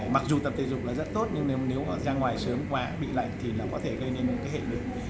mặc dù tập thể dục là rất tốt nhưng nếu ra ngoài sớm quá bị lạnh thì nó có thể gây nên những cái hệ lụy